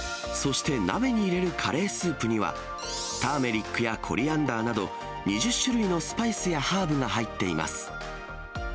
そして、鍋に入れるカレースープには、ターメリックやコリアンダーなど、２０種類のスパイスやハーブが入っています。